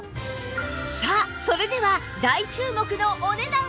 さあそれでは大注目のお値段を発表！